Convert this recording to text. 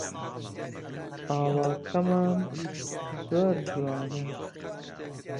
ئاڵاکەمان زۆر جوانە